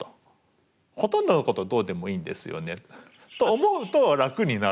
ほとんどのことどうでもいいんですよねと思うと楽になる。